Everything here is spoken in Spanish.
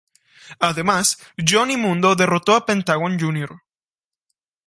Además, Johnny Mundo derrotó a Pentagón Jr.